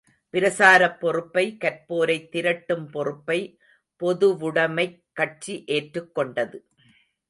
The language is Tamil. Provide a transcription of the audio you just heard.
பிரசாரப் பொறுப்பை, கற்போரைத் திரட்டும் பொறுப்பை பொதுவுடைமைக் கட்சி ஏற்றுத் கொண்டது.